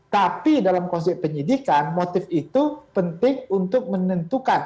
tapi dalam konsep penyidikan motif itu penting untuk menentukan